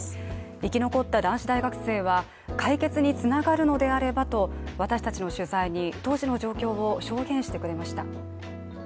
生き残った男子大学生は解決につながるのであればと、私たちの取材に当時の状況を証言してくれました。